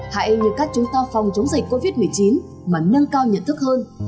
hãy như cách chúng ta phòng chống dịch covid một mươi chín mà nâng cao nhận thức hơn